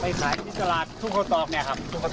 ไปขายปืนสลาดทุ่งโครตอบเนี่ยครับ